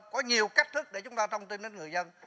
có nhiều cách thức để chúng ta thông tin đến người dân